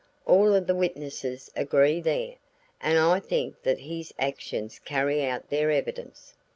All of the witnesses agree there, and I think that his actions carry out their evidence.